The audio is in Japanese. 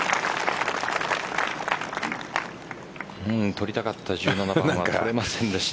取りたかった１７番は取れませんでした。